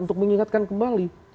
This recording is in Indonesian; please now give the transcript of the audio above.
untuk mengingatkan kembali